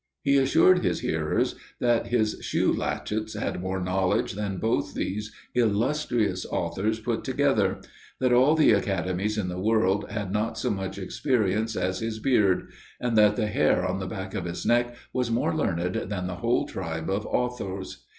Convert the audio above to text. He assured his hearers, that his shoe latchets had more knowledge than both these illustrious authors put together: that all the academies in the world had not so much experience as his beard; and that the hair on the back of his neck was more learned than the whole tribe of authors.